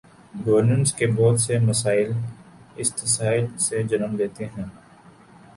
Governance کے بہت سے مسائل اس تساہل سے جنم لیتے ہیں۔